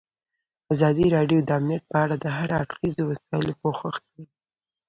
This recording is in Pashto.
ازادي راډیو د امنیت په اړه د هر اړخیزو مسایلو پوښښ کړی.